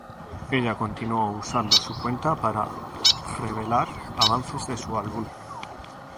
Ella continuó usando su cuenta para revelar avances de su álbum.